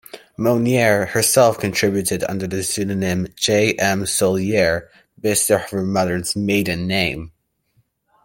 Monnier herself contributed under the pseudonym J-M Sollier, based on her mother's maiden name.